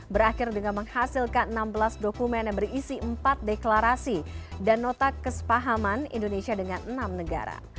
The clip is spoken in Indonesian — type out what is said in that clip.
berakhir dengan menghasilkan enam belas dokumen yang berisi empat deklarasi dan nota kesepahaman indonesia dengan enam negara